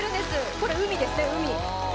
これ、海ですね。